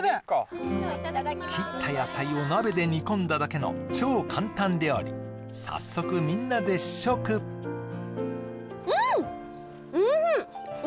切った野菜を鍋で煮込んだだけの超簡単料理早速みんなで試食うん！